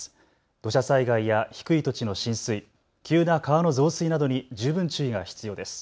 土砂災害や低い土地の浸水、急な川の増水などに十分注意が必要です。